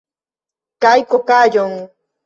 Kaj kokaĵon.